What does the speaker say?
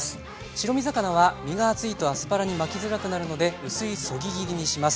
白身魚は身が厚いとアスパラに巻きづらくなるので薄いそぎ切りにします。